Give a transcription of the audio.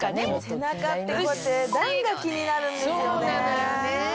背中って段が気になるんですよね。